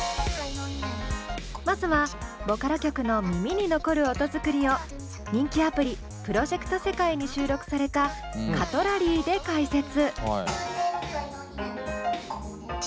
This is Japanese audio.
まずはボカロ曲の耳に残る音作りを人気アプリ「プロジェクトセカイ」に収録された「カトラリー」で解説。